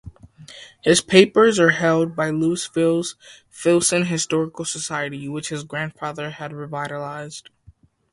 His papers are held by Louisville's Filson Historical Society, which his grandfather had revitalized.